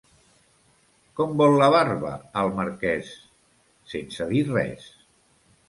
Com vol la barba el marquès? —Sense dir res.